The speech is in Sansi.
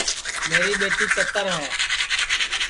میری ٻیٹی چتر ہے